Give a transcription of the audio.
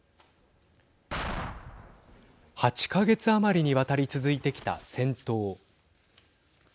８か月余りにわたり続いてきた戦闘。